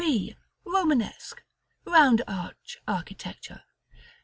B. ROMANESQUE: Round arch Architecture.